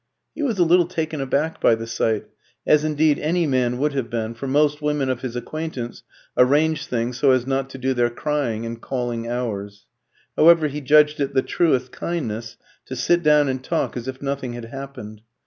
He was a little taken aback by the sight, as indeed any man would have been, for most women of his acquaintance arranged things so as not to do their crying in calling hours. However, he judged it the truest kindness to sit down and talk as if nothing had happened.